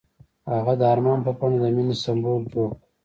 هغه د آرمان په بڼه د مینې سمبول جوړ کړ.